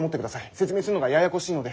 説明するのがややこしいので。